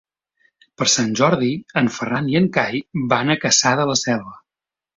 Per Sant Jordi en Ferran i en Cai van a Cassà de la Selva.